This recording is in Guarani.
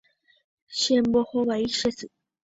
Chembohovái che sy.